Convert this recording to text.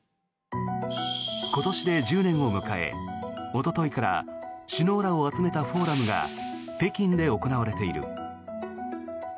今年で１０年を迎えおとといから首脳らを集めたフォーラムが北京で行われている。